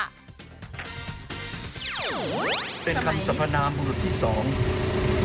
เป็นคำสัพพนามภูมิที่๒